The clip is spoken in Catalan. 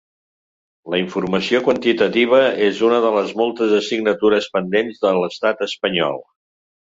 La informació quantitativa és una de les moltes assignatures pendents de l’estat espanyol.